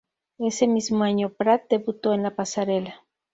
Ese mismo año Pratt debutó en la pasarela.